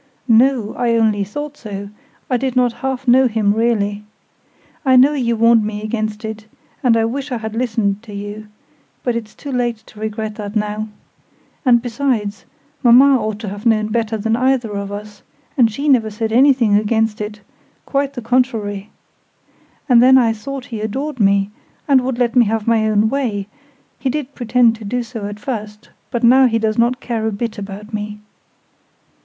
"No; I only thought so: I did not half know him really. I know you warned me against it, and I wish I had listened to you: but it's too late to regret that now. And besides, mamma ought to have known better than either of us, and she never said anything against it—quite the contrary. And then I thought he adored me, and would let me have my own way: he did pretend to do so at first, but now he does not care a bit about me.